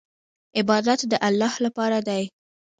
عبادت د الله لپاره دی.